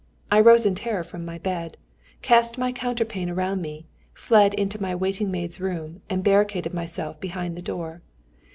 I rose in terror from my bed, cast my counterpane around me, fled into my waiting maid's room, and barricaded myself behind the door.